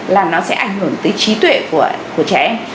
là nó sẽ ảnh hưởng tới trí tuệ của trẻ em